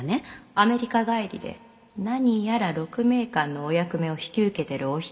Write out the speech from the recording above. アメリカ帰りで何やら鹿鳴館のお役目を引き受けてるお人らしいのよ！